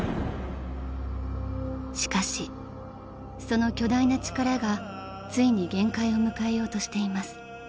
［しかしその巨大な力がついに限界を迎えようとしています］